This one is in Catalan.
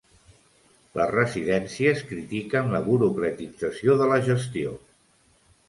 Les residències critiquen la burocratització de la gestió.